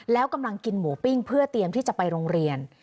แล้วกำลังกินหมูปิ้งเพื่อเตรียมที่จะไปโรงเรียน